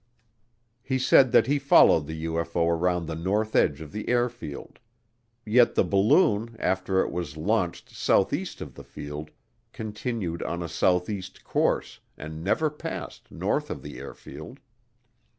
He said that he followed the UFO around the north edge of the airfield. Yet the balloon, after it was launched southeast of the field, continued on a southeast course and never passed north of the airfield.